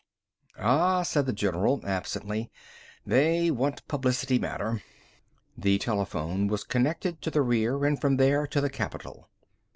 "Ah," said the general absently. "They want publicity matter." The telephone was connected to the rear, and from there to the Capital.